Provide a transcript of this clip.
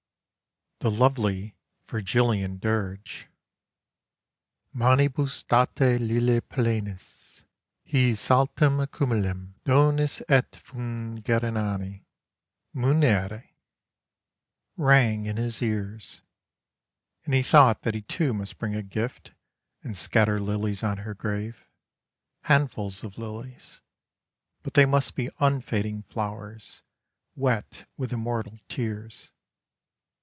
The lovely Virgilian dirge, Manibus date lilia plenis ... His saltem accumulem donis et fungar inani Munere, rang in his ears, and he thought that he too must bring a gift and scatter lilies on her grave; handfuls of lilies; but they must be unfading flowers, wet with immortal tears.